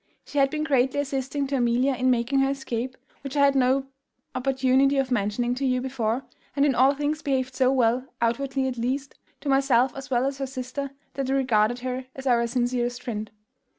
She had been greatly assisting to Amelia in making her escape, which I had no opportunity of mentioning to you before, and in all things behaved so well, outwardly at least, to myself as well as her sister, that we regarded her as our sincerest friend.